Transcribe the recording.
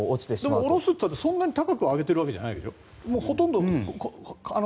でも下ろすといったってそんなに高く上げてるわけじゃないでしょ？